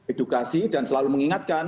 edukasi dan selalu mengingatkan